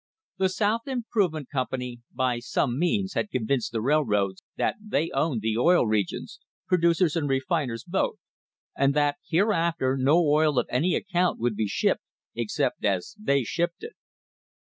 The South Improvement Company by some means had convinced the rail roads that they owned the Oil Regions, producers and re finers both, and that hereafter no oil of any account would be shipped except as they shipped it.